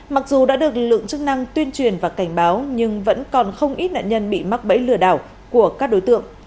mặc dù đã được lực lượng chức năng tuyên truyền và cảnh báo nhưng vẫn còn không ít nạn nhân bị mắc bẫy lừa đảo của các đối tượng